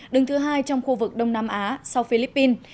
đứng thứ hai trong khu vực đông nam á sau philippines